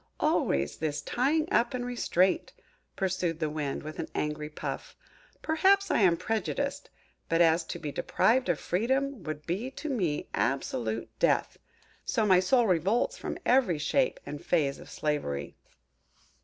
"Always this tying up and restraint!" pursued the Wind, with an angry puff. "Perhaps I am prejudiced; but as to be deprived of freedom would be to me absolute death, so my soul revolts from every shape and phase of slavery!"